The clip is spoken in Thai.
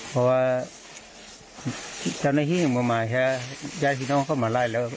เพราะว่าจำน้ำเห็นอย่างบางหมายแท้ยาที่น้องเข้ามาไล่แล้ว